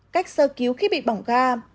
cách sơ cứu khi bị bỏng ga